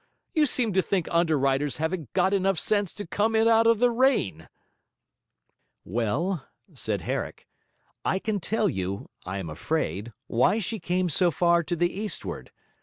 You seem to think underwriters haven't got enough sense to come in out of the rain.' 'Well,' said Herrick, 'I can tell you (I am afraid) why she came so far to the eastward.